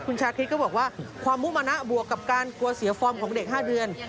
คุณชาคริสก็บอกว่าความมุมนะบวกกับการกลัวเสียฟอร์มของเด็ก๕เดือน